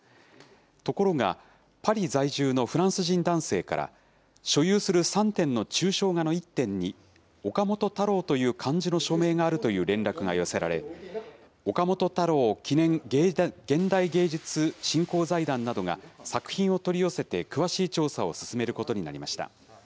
ところが、パリ在住のフランス人男性から、所有する３点の抽象画の１点に岡本太郎という漢字の署名があるという連絡が寄せられ、岡本太郎記念現代芸術振興財団などが作品を取り寄せて詳しい調査を進めることになりました。